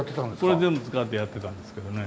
これ全部使ってやってたんですけどね。